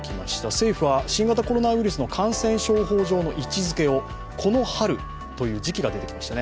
政府は新型コロナウイルスの感染症法上の位置づけを位置づけをこの春、という時期が出てきましたね